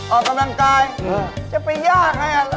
ออกกำลังกายจะไปยากไง